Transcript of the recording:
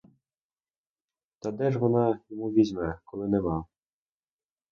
Та де ж вона йому візьме, коли нема?